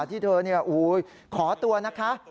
มีจังหวะที่เธอขอตัวนะคะ